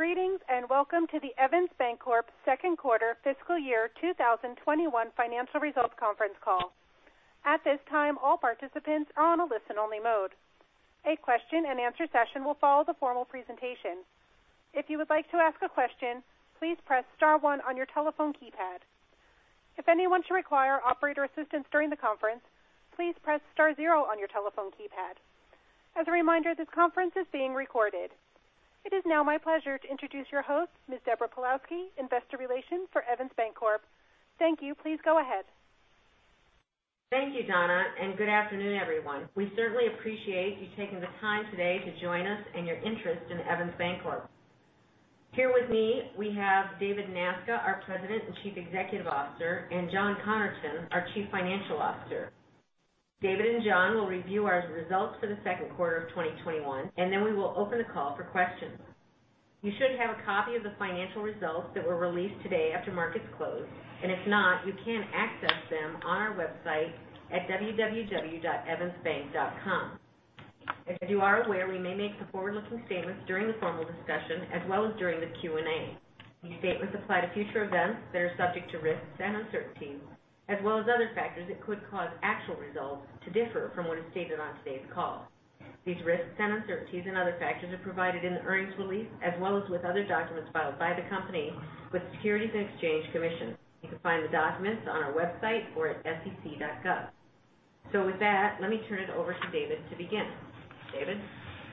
Greetings, welcome to the Evans Bancorp second quarter fiscal year 2021 financial results conference call. At this time, all participants are on a listen-only mode. A question-and-answer session will follow the formal presentation. If you would like to ask a question, please press star one on your telephone keypad. If anyone should require operator assistance during the conference, please press star zero on your telephone keypad. As a reminder, this conference is being recorded. It is now my pleasure to introduce your host, Ms. Deborah Pawlowski, Investor Relations for Evans Bancorp. Thank you. Please go ahead. Thank you, Donna, and good afternoon, everyone. We certainly appreciate you taking the time today to join us and your interest in Evans Bancorp. Here with me, we have David Nasca, our President and Chief Executive Officer, and John Connerton, our Chief Financial Officer. David and John will review our results for the second quarter of 2021. Then we will open the call for questions. You should have a copy of the financial results that were released today after markets closed. If not, you can access them on our website at www.evansbank.com. As you are aware, we may make some forward-looking statements during the formal discussion as well as during the Q&A. These statements apply to future events that are subject to risks and uncertainties, as well as other factors that could cause actual results to differ from what is stated on today's call. These risks and uncertainties and other factors are provided in the earnings release, as well as with other documents filed by the company with the Securities and Exchange Commission. You can find the documents on our website or at sec.gov. So, with that, let me turn it over to David to begin. David?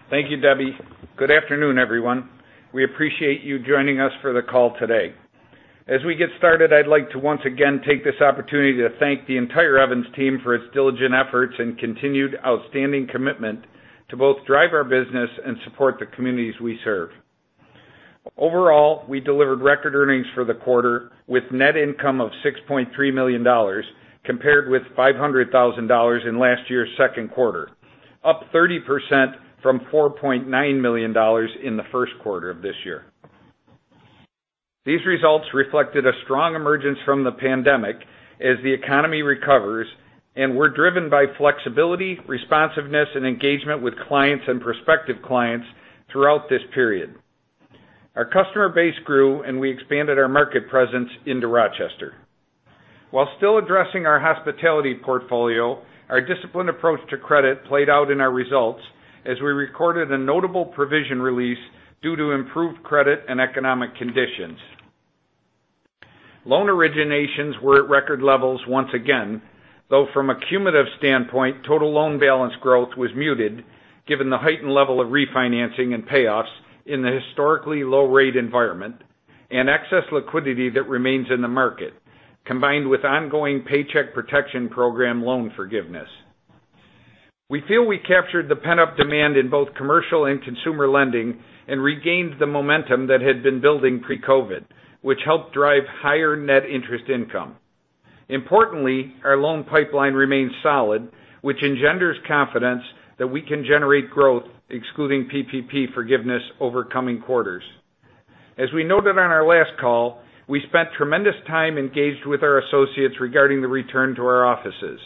Thank you, Debbie. Good afternoon, everyone. We appreciate you joining us for the call today. As we get started, I'd like to once again take this opportunity to thank the entire Evans' team for its diligent efforts and continued outstanding commitment to both drive our business and support the communities we serve. Overall, we delivered record earnings for the quarter with net income of $6.3 million, compared with $500,000 in last year's second quarter, up 30% from $4.9 million in the first quarter of this year. These results reflected a strong emergence from the pandemic as the economy recovers, and were driven by flexibility, responsiveness, and engagement with clients and prospective clients throughout this period. Our customer base grew, and we expanded our market presence into Rochester. While still addressing our hospitality portfolio, our disciplined approach to credit played out in our results as we recorded a notable provision release due to improved credit and economic conditions. Loan originations were at record levels once again, though from a cumulative standpoint, total loan balance growth was muted given the heightened level of refinancing and payoffs in the historically low-rate environment and excess liquidity that remains in the market, combined with ongoing Paycheck Protection Program loan forgiveness. We feel we captured the pent-up demand in both commercial and consumer lending and regained the momentum that had been building pre-COVID, which helped drive higher net interest income. Importantly, our loan pipeline remains solid, which engenders confidence that we can generate growth excluding PPP forgiveness over coming quarters. As we noted on our last call, we spent tremendous time engaged with our associates regarding the return to our offices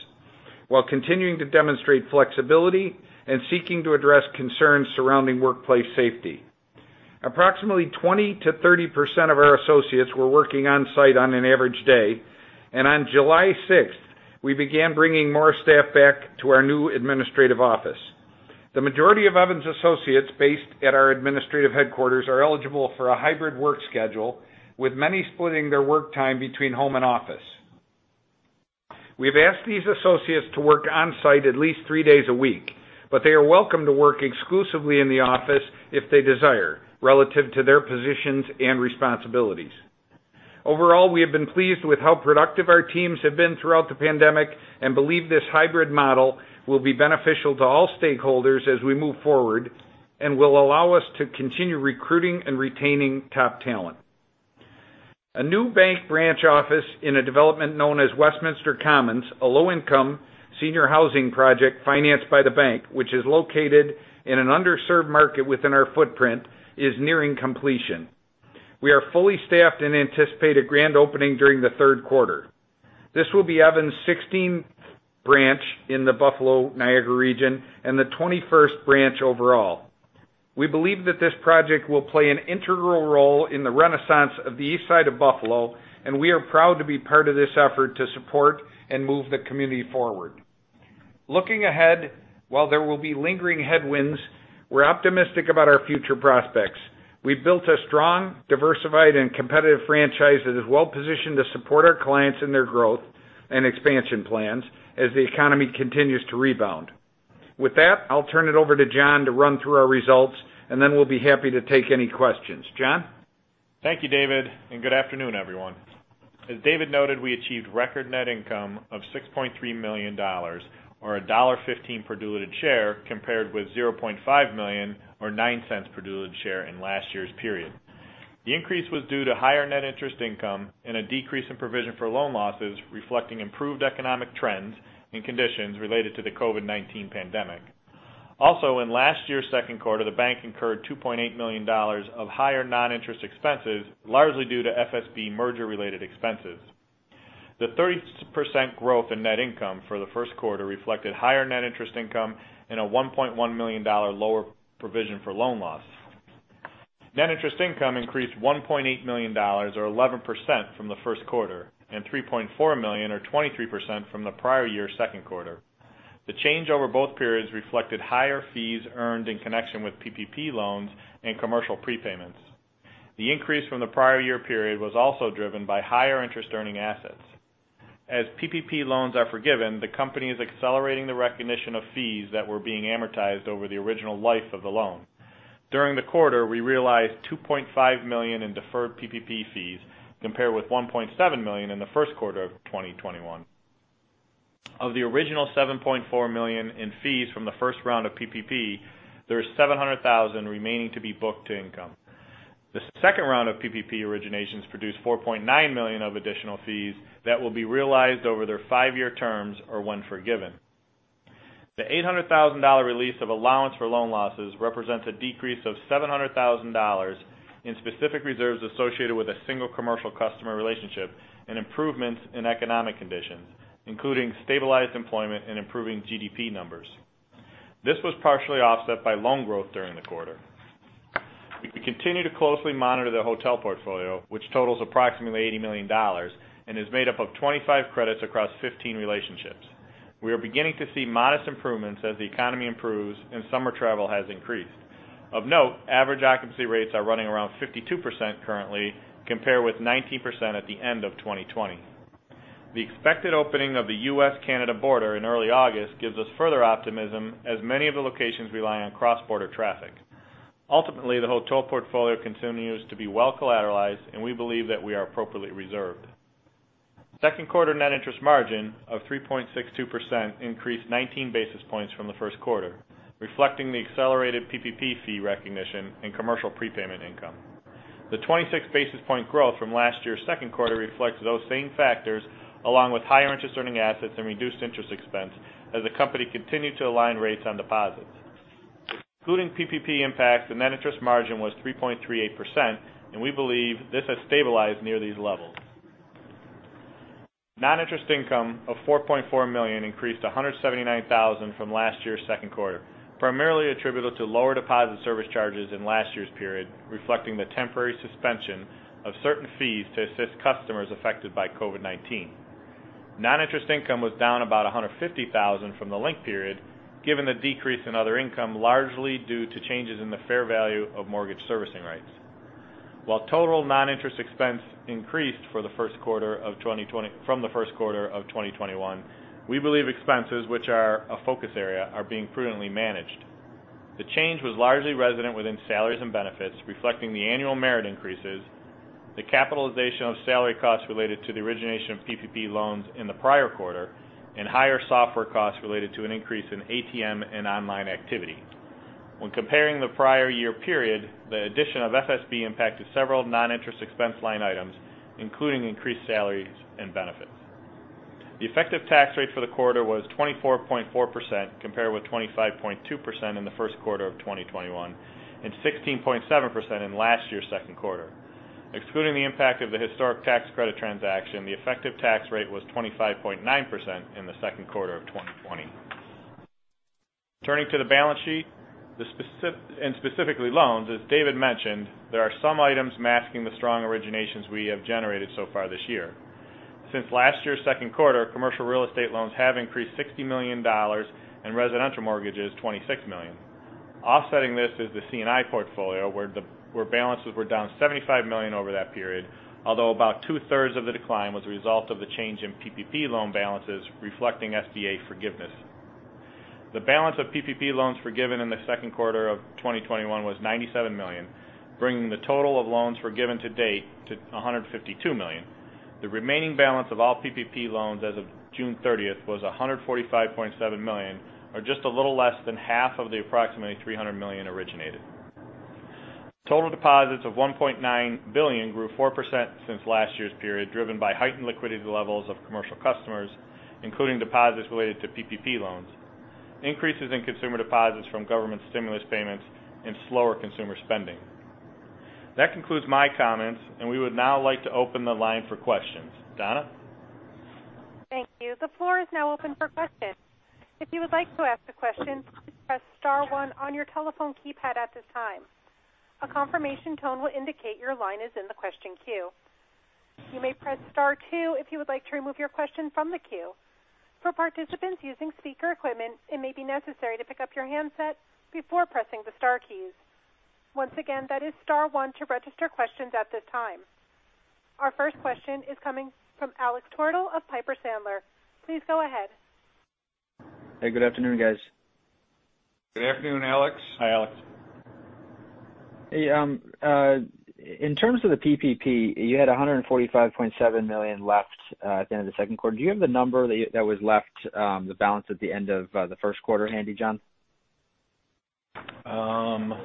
while continuing to demonstrate flexibility and seeking to address concerns surrounding workplace safety. Approximately 20%-30% of our associates were working on-site on an average day, and on July 6th, we began bringing more staff back to our new administrative office. The majority of Evans' associates based at our administrative headquarters are eligible for a hybrid work schedule, with many splitting their work time between home and office. We've asked these associates to work on-site at least three days a week, but they are welcome to work exclusively in the office if they desire, relative to their positions and responsibilities. Overall, we have been pleased with how productive our teams have been throughout the pandemic and believe this hybrid model will be beneficial to all stakeholders as we move forward and will allow us to continue recruiting and retaining top talent. A new bank branch office in a development known as Westminster Commons, a low-income senior housing project financed by the bank, which is located in an underserved market within our footprint, is nearing completion. We are fully staffed and anticipate a grand opening during the third quarter. This will be Evans' 16th branch in the Buffalo Niagara region and the 21st branch overall. We believe that this project will play an integral role in the renaissance of the east side of Buffalo, and we are proud to be part of this effort to support and move the community forward. Looking ahead, while there will be lingering headwinds, we're optimistic about our future prospects. We've built a strong, diversified, and competitive franchise that is well-positioned to support our clients in their growth and expansion plans as the economy continues to rebound. With that, I'll turn it over to John to run through our results, and then we'll be happy to take any questions. John? Thank you, David, and good afternoon, everyone. As David noted, we achieved record net income of $6.3 million, or $1.15 per diluted share, compared with $0.5 million or $0.09 per diluted share in last year's period. The increase was due to higher net interest income and a decrease in provision for loan losses, reflecting improved economic trends and conditions related to the COVID-19 pandemic. Also, in last year's second quarter, the bank incurred $2.8 million of higher non-interest expenses, largely due to FSB merger-related expenses. The 30% growth in net income for the first quarter reflected higher net interest income and a $1.1 million lower provision for loan loss. Net interest income increased $1.8 million, or 11%, from the first quarter, and $3.4 million, or 23%, from the prior year second quarter. The change over both periods reflected higher fees earned in connection with PPP loans and commercial prepayments. The increase from the prior year period was also driven by higher interest earning assets. As PPP loans are forgiven, the company is accelerating the recognition of fees that were being amortized over the original life of the loan. During the quarter, we realized $2.5 million in deferred PPP fees, compared with $1.7 million in the first quarter of 2021. Of the original $7.4 million in fees from the first round of PPP, there is $700,000 remaining to be booked to income. The second round of PPP originations produced $4.9 million of additional fees that will be realized over their five-year terms, or when forgiven. The $800,000 release of allowance for loan losses represents a decrease of $700,000 in specific reserves associated with a single commercial customer relationship and improvements in economic conditions, including stabilized employment and improving GDP numbers. This was partially offset by loan growth during the quarter. We continue to closely monitor the hotel portfolio, which totals approximately $80 million and is made up of 25 credits across 15 relationships. We are beginning to see modest improvements as the economy improves and summer travel has increased. Of note, average occupancy rates are running around 52% currently, compared with 19% at the end of 2020. The expected opening of the U.S.-Canada border in early August gives us further optimism as many of the locations rely on cross-border traffic. Ultimately, the hotel portfolio continues to be well collateralized, and we believe that we are appropriately reserved. Second quarter net interest margin of 3.62% increased 19 basis points from the first quarter, reflecting the accelerated PPP fee recognition and commercial prepayment income. The 26 basis points growth from last year's second quarter reflects those same factors, along with higher interest-earning assets and reduced interest expense as the company continued to align rates on deposits. Excluding PPP impacts, the net interest margin was 3.38%, and we believe this has stabilized near these levels. Non-interest income of $4.4 million increased to $179,000 from last year's second quarter, primarily attributable to lower deposit service charges in last year's period, reflecting the temporary suspension of certain fees to assist customers affected by COVID-19. Non-interest income was down about $150,000 from the linked period, given the decrease in other income, largely due to changes in the fair value of mortgage servicing rights. While total non-interest expense increased from the first quarter of 2021, we believe expenses, which are a focus area, are being prudently managed. The change was largely resident within salaries and benefits, reflecting the annual merit increases, the capitalization of salary costs related to the origination of PPP loans in the prior quarter, and higher software costs related to an increase in ATM and online activity. When comparing the prior year period, the addition of FSB impacted several non-interest expense line items, including increased salaries and benefits. The effective tax rate for the quarter was 24.4%, compared with 25.2% in the first quarter of 2021, and 16.7% in last year's second quarter. Excluding the impact of the historic tax credit transaction, the effective tax rate was 25.9% in the second quarter of 2020. Turning to the balance sheet, and specifically loans, as David mentioned, there are some items masking the strong originations we have generated so far this year. Since last year's second quarter, commercial real estate loans have increased $60 million, and residential mortgages $26 million. Offsetting this is the C&I portfolio, where balances were down $75 million over that period, although about 2/3 of the decline was a result of the change in PPP loan balances reflecting SBA forgiveness. The balance of PPP loans forgiven in the second quarter of 2021 was $97 million, bringing the total of loans forgiven to date to $152 million. The remaining balance of all PPP loans as of June 30th was $145.7 million, or just a little less than half of the approximately $300 million originated. Total deposits of $1.9 billion grew 4% since last year's period, driven by heightened liquidity levels of commercial customers, including deposits related to PPP loans, increases in consumer deposits from government stimulus payments, and slower consumer spending. That concludes my comments, and we would now like to open the line for questions. Donna? Thank you. The floor is now open for questions. If you would like to ask a question press star one on your telephone keypad at the time. A confirmation tone will indicate is in the question queue. You may press star two if you would like to remove your question from the queue. For participant using speaker equipment it may be necessary to pick up your handset before pressing the star queue. Once again, that is star one. Our first question is coming from Alex Twerdahl of Piper Sandler. Please go ahead. Hey, good afternoon, guys. Good afternoon, Alex. Hi, Alex. Hey, in terms of the PPP, you had $145.7 million left at the end of the second quarter. Do you have the number that was left, the balance at the end of the first quarter handy, John?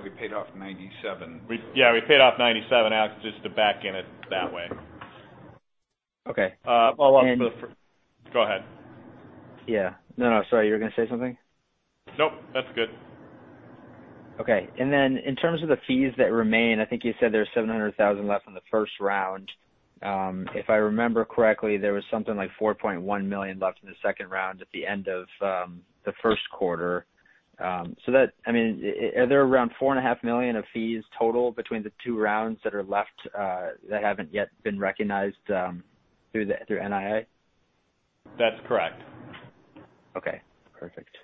We paid off $97. Yeah, we paid off $97, Alex, just to back in it that way. Okay. Go ahead. Yeah. No, sorry. You were going to say something? Nope. That's good. Okay. In terms of the fees that remain, I think you said there's $700,000 left from the first round. If I remember correctly, there was something like $4.1 million left in the second round at the end of the first quarter. So that, are there around $4.5 million of fees total between the two rounds that are left that haven't yet been recognized through NII? That's correct. Okay, perfect.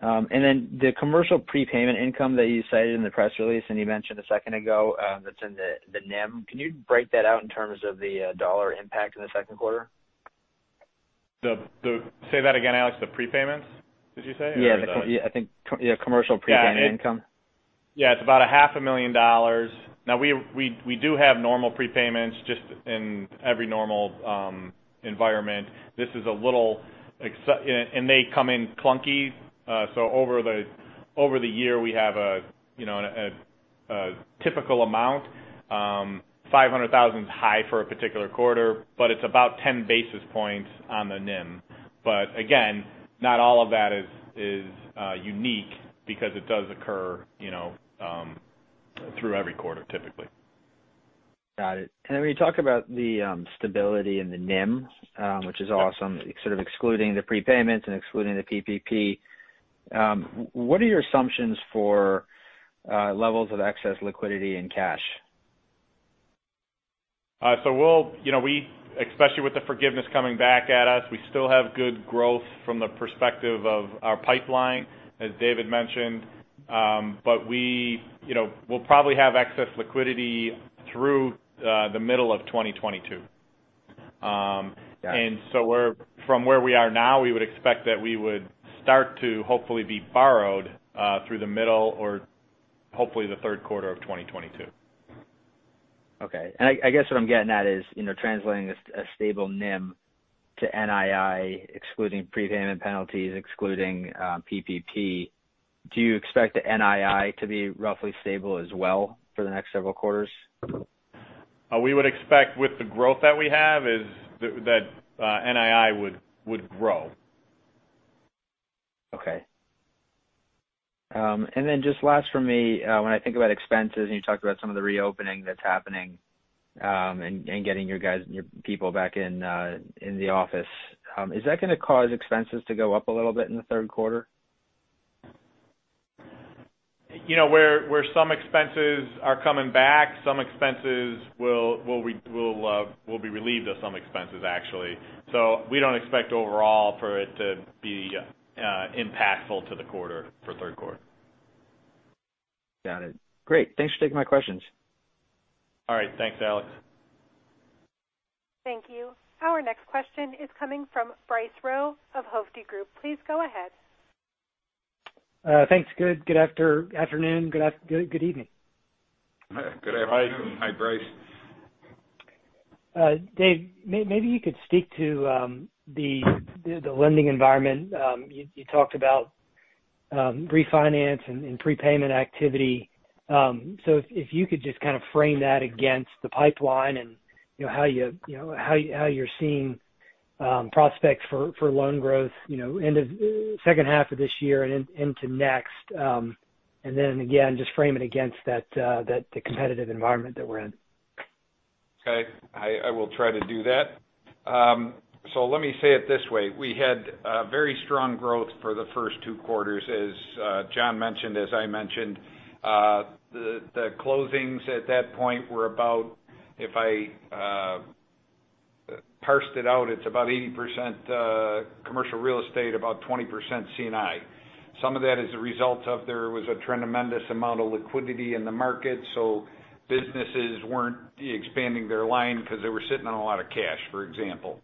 Then the commercial prepayment income that you cited in the press release, and you mentioned a second ago, that's in the NIM. Can you break that out in terms of the dollar impact in the second quarter? Say that again, Alex. The prepayments, did you say? Yeah. I think, commercial prepayment income. Yeah. It's about a half a million dollars. We do have normal prepayments just in every normal environment. This is a little exaggerated and they come in clunky. For over the year, we have a typical amount. $500,000 is high for a particular quarter, but it's about 10 basis points on the NIM. Again, not all of that is unique because it does occur through every quarter, typically. Got it. When you talk about the stability in the NIM which is awesome, sort of excluding the prepayments and excluding the PPP, what are your assumptions for levels of excess liquidity and cash? Especially with the forgiveness coming back at us, we still have good growth from the perspective of our pipeline, as David mentioned. We'll probably have excess liquidity through the middle of 2022. Got it. From where we are now, we would expect that we would start to hopefully be borrowed through the middle or hopefully the third quarter of 2022. Okay. I guess what I'm getting at is translating a stable NIM to NII, excluding prepayment penalties, excluding PPP. Do you expect the NII to be roughly stable as well for the next several quarters? We would expect with the growth that we have is that NII would grow. Okay. Then just last from me when I think about expenses, and you talked about some of the reopening that's happening and getting your people back in the office. Is that going to cause expenses to go up a little bit in the third quarter? Where some expenses are coming back, we'll be relieved of some expenses, actually. We don't expect overall for it to be impactful to the quarter for third quarter. Got it. Great. Thanks for taking my questions. All right. Thanks, Alex. Thank you. Our next question is coming from Bryce Rowe of Hovde Group. Please go ahead. Thanks. Good afternoon. Good evening. Good afternoon. Hi. Hi, Bryce. Dave, maybe you could speak to the lending environment. You talked about refinance and prepayment activity. If you could just kind of frame that against the pipeline and how you're seeing prospects for loan growth end of second half of this year and into next. Then again, just frame it against the competitive environment that we're in. Okay. I will try to do that. So, let me say it this way. We had very strong growth for the first two quarters, as John mentioned, as I mentioned. The closings at that point were about, if I parsed it out, it's about 80% commercial real estate, about 20% C&I. Some of that is a result of there was a tremendous amount of liquidity in the market, businesses weren't expanding their line because they were sitting on a lot of cash, for example.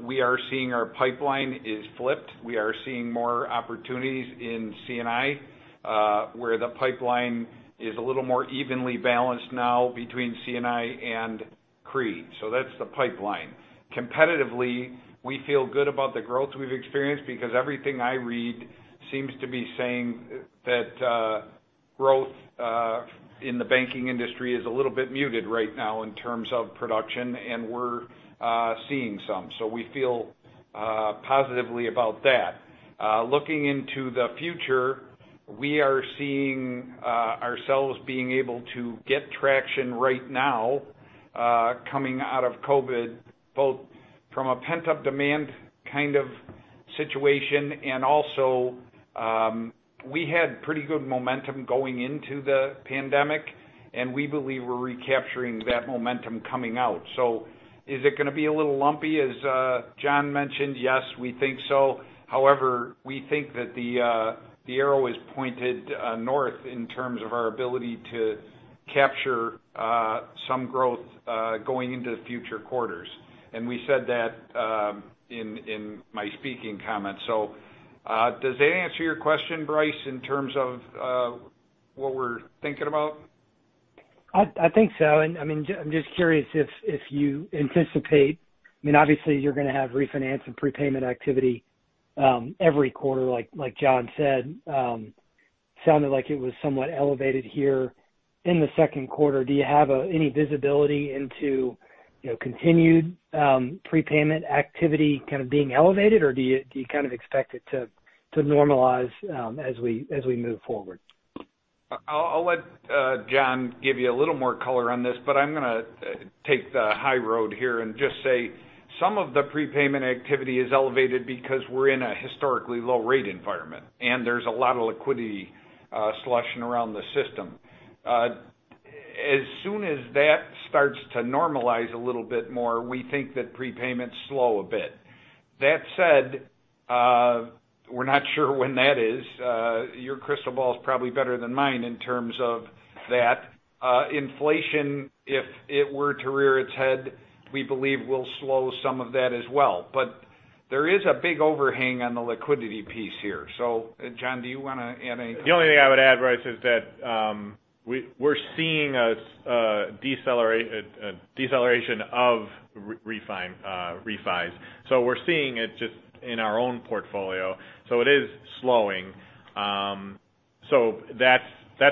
We are seeing our pipeline is flipped. We are seeing more opportunities in C&I where the pipeline is a little more evenly balanced now between C&I and CRE. That's the pipeline. Competitively, we feel good about the growth we've experienced because everything I read seems to be saying that growth in the banking industry is a little bit muted right now in terms of production, and we're seeing some. We feel positively about that. Looking into the future, we are seeing ourselves being able to get traction right now coming out of COVID, both from a pent-up demand kind of situation and also we had pretty good momentum going into the pandemic, and we believe we're recapturing that momentum coming out. Is it going to be a little lumpy, as John mentioned? Yes, we think so. However, we think that the arrow is pointed north in terms of our ability to capture some growth going into future quarters. We said that in my speaking comments. So, does that answer your question, Bryce, in terms of what we're thinking about? I think so. I mean, I'm just curious if you anticipate, obviously, you're going to have refinance and prepayment activity every quarter, like John said. Sounded like it was somewhat elevated here in the second quarter, do you have any visibility into continued prepayment activity kind of being elevated, or do you kind of expect it to normalize as we move forward? I'll let John give you a little more color on this, but I'm going to take the high road here and just say some of the prepayment activity is elevated because we're in a historically low rate environment, and there's a lot of liquidity slushing around the system. As soon as that starts to normalize a little bit more, we think that prepayments slow a bit. That said, we're not sure when that is. Your crystal ball's probably better than mine in terms of that. Inflation, if it were to rear its head, we believe will slow some of that as well. But there is a big overhang on the liquidity piece here. John, do you want to add anything? The only thing I would add, Bryce, is that we're seeing a deceleration of refi's. We're seeing it just in our own portfolio. It is slowing. That's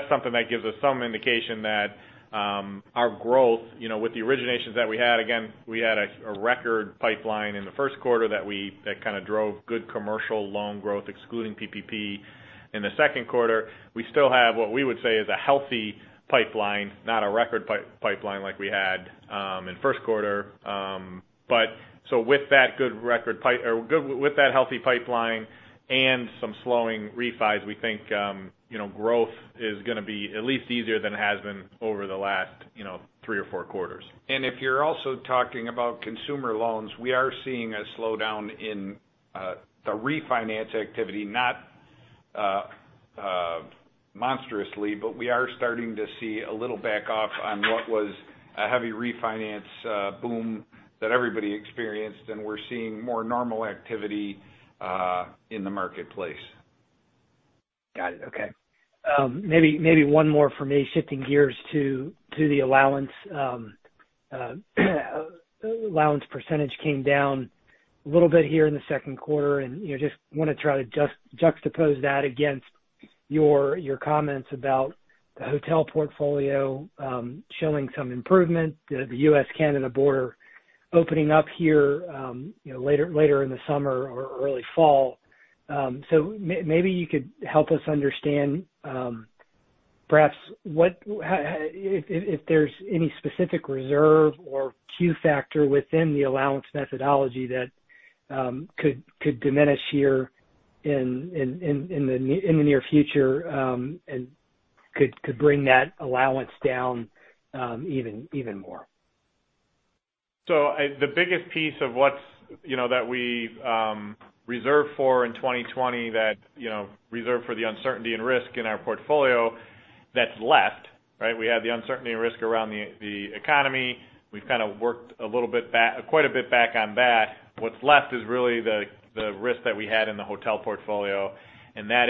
something that gives us some indication that our growth with the originations that we had, again, we had a record pipeline in the first quarter that kind of drove good commercial loan growth, excluding PPP. In the second quarter, we still have what we would say is a healthy pipeline, not a record pipeline like we had in first quarter. With that healthy pipeline and some slowing refi's, we think growth is going to be at least easier than it has been over the last three quarters or four quarters. If you're also talking about consumer loans, we are seeing a slowdown in the refinance activity, not monstrously, but we are starting to see a little back off on what was a heavy refinance boom that everybody experienced, and we're seeing more normal activity in the marketplace. Got it. Okay. Maybe one more from me, shifting gears to the allowance. Allowance percentage came down a little bit here in the second quarter, and just want to try to juxtapose that against your comments about the hotel portfolio showing some improvement, the U.S.-Canada border opening up here later in the summer or early fall. Maybe you could help us understand perhaps if there's any specific reserve or Q factor within the allowance methodology that could diminish here in the near future, and could bring that allowance down even more. The biggest piece that we reserved for in 2020, reserved for the uncertainty and risk in our portfolio that's left, right? We had the uncertainty and risk around the economy. We've kind of worked quite a bit back on that. What's left is really the risk that we had in the hotel portfolio, and that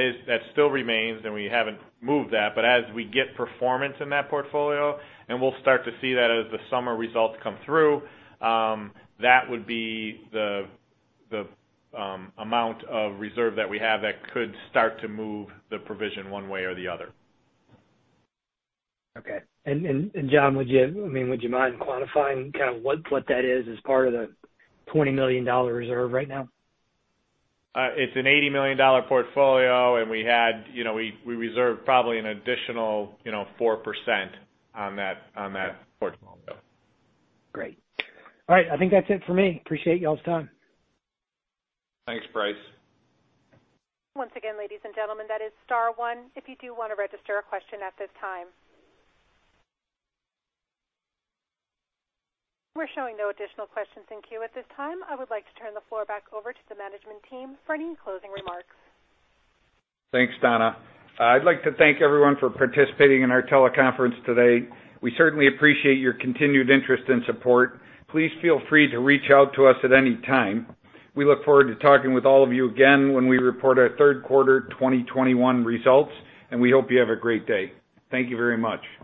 still remains, and we haven't moved that. But as we get performance in that portfolio, and we'll start to see that as the summer results come through, that would be the amount of reserve that we have that could start to move the provision one way or the other. Okay. John, would you mind quantifying kind of what that is as part of the $20 million reserve right now? It's an $80 million portfolio, and we reserved probably an additional 4% on that portfolio. Great. All right, I think that's it for me. Appreciate y'all's time. Thanks, Bryce. Once again, ladies and gentlemen, that is star one if you do want to register a question at this time. We are showing no additional questions in queue at this time. I would like to turn the floor back over to the management team for any closing remarks. Thanks, Donna. I'd like to thank everyone for participating in our teleconference today. We certainly appreciate your continued interest and support. Please feel free to reach out to us at any time. We look forward to talking with all of you again when we report our third quarter 2021 results, and we hope you have a great day. Thank you very much.